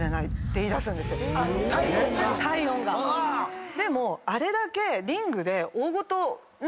体温が⁉でもあれだけ。